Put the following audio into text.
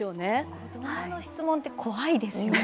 子どもの質問って怖いですね。